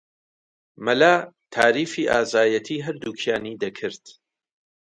مەلا تاریفی ئازایەتیی هەردووکیانی دەکرد